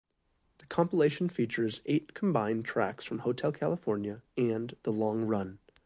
The compilation features eight combined tracks from "Hotel California" and "The Long Run.